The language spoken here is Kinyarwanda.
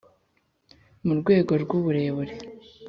mu rwego rw’uburere,